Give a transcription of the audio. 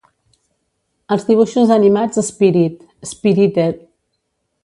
Els dibuixos animats Spirit. Spirited.